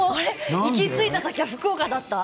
行き着いた先は福岡だった。